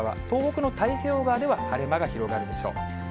東北の太平洋側では晴れ間が広がるでしょう。